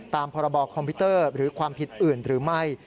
ตามพรบคอมพิวเตอร์หรือความผิดอื่นหรือไม่